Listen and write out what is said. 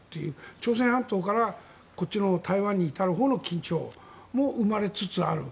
朝鮮半島からこっちの台湾に至るほうの緊張も生まれつつある。